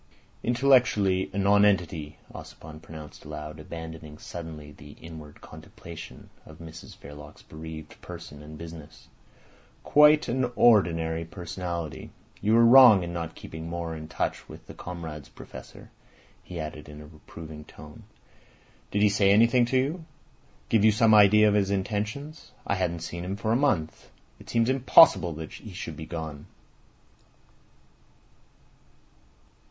"Intellectually a nonentity," Ossipon pronounced aloud, abandoning suddenly the inward contemplation of Mrs Verloc's bereaved person and business. "Quite an ordinary personality. You are wrong in not keeping more in touch with the comrades, Professor," he added in a reproving tone. "Did he say anything to you—give you some idea of his intentions? I hadn't seen him for a month. It seems impossible that he should be gone."